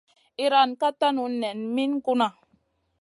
Iyran ka tanu nen min gunna.